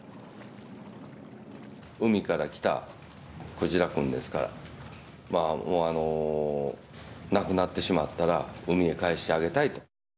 海から来たクジラくんですから、亡くなってしまったら海へ返してあげたいと。